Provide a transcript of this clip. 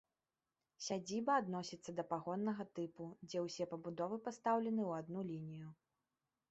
Сядзіба адносіцца да пагоннага тыпу, дзе ўсе пабудовы пастаўлены ў адну лінію.